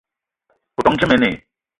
O ton dje mene?